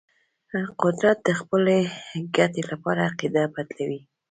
قدرت د خپل ګټې لپاره عقیده بدلوي.